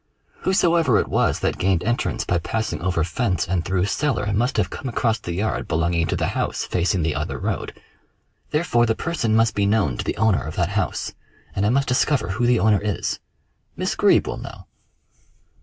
Whosoever it was that gained entrance by passing over fence and through cellar, must have come across the yard belonging to the house facing the other road. Therefore, the person must be known to the owner of that house, and I must discover who the owner is. Miss Greeb will know."